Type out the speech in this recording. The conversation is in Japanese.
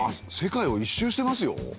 世界を１周してますよ。